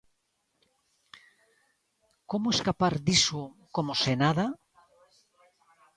Como escapar diso como se nada?